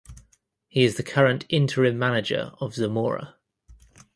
He is the current interim manager of Zamora.